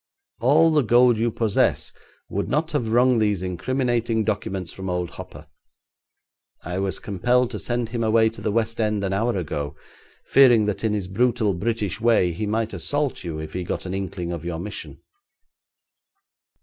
All the gold you possess would not have wrung these incriminating documents from old Hopper. I was compelled to send him away to the West End an hour ago, fearing that in his brutal British way he might assault you if he got an inkling of your mission.'